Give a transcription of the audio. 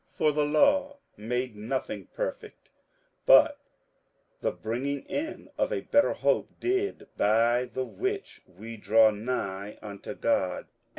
58:007:019 For the law made nothing perfect, but the bringing in of a better hope did; by the which we draw nigh unto God.